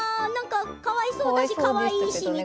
かわいそうだしかわいいし。